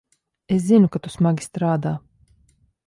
Es zinu, ka tu smagi strādā.